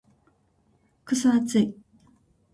クソ暑い。